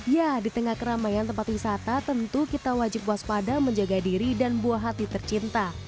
ya di tengah keramaian tempat wisata tentu kita wajib waspada menjaga diri dan buah hati tercinta